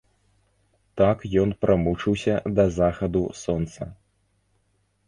Так ён прамучыўся да захаду сонца.